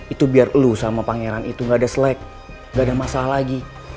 itu biar lu sama pangeran itu gak ada slack gak ada masalah lagi